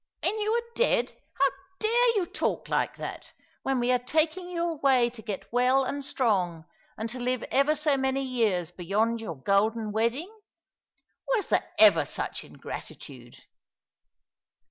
" When you are dead ! How dare you talk like that, when we are taking you away to get well and strong, and to live ''No Suddc7i Fancy of an Ardent Boy^ 219 ever so many yecars beyond your golden wedding? Was there ever such ingratitude